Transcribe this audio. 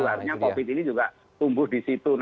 artinya covid ini juga tumbuh di situ